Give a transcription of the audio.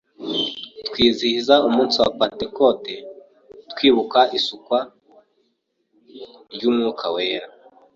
Kwizihiza umunsi wa pantekote, twibuka isukwa ry’Umwuka wera,